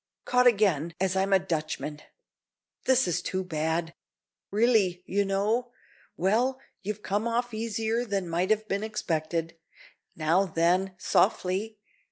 caught again, as I'm a Dutchman. This is too bad. Really, you know well, you've come off easier than might have been expected. Now then, softly.